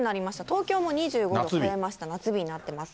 東京も２５度超えました、夏日になってます。